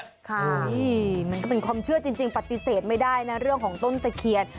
ค่ะมันก็เป็นความเชื่อจริงปฏิเสธไม่ได้นะเรื่องของต้นตะเคียน